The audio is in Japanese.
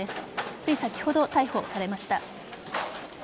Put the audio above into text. つい先ほど、逮捕されました。